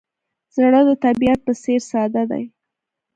زړه د طبیعت په څېر ساده دی.